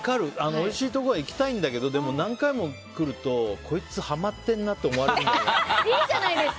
おいしいところ行きたいんだけどでも、何回も来るとこいつ、はまってるなっていいじゃないですか！